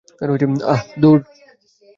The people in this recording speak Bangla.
আহ, ধুর!